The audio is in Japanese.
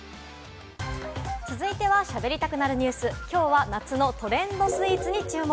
続いてはしゃべりたくなるニュス、きょうは夏のトレンドスイーツに注目。